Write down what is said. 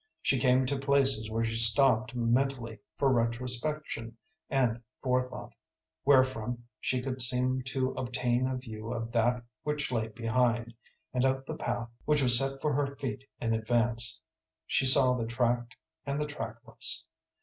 She came to places where she stopped mentally, for retrospection and forethought, wherefrom she could seem to obtain a view of that which lay behind, and of the path which was set for her feet in advance. She saw the tracked and the trackless.